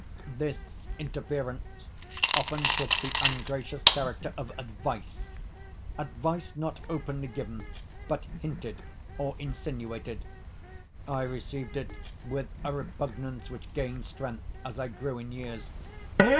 This interference often took the ungracious character of advice; advice not openly given, but hinted or insinuated. I received it with a repugnance which gained strength as I grew in years.